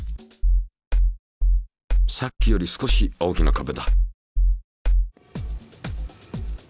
さっきより少し大きな壁だ。